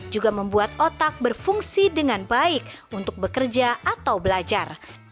juga membuat otak berfungsi dengan baik untuk bekerja atau belajar